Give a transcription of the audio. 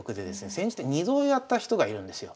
千日手２度やった人がいるんですよ。